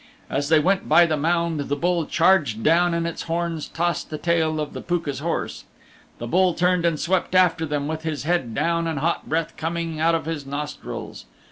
As they went by the mound the Bull charged down and its horns tossed the tail of the Pooka's horse. The Bull turned and swept after them with his head down and hot breath coming out of his nostrils.